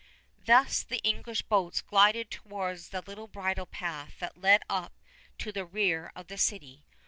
Thus the English boats glided towards the little bridle path that led up to the rear of the city.